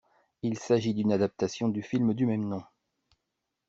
Il s'agit d'une adaptation du film du même nom.